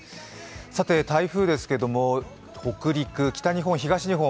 さて、台風ですけれども北陸、北日本、東日本